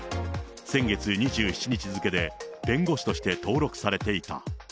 先月２７日付で、弁護士として登録されていた。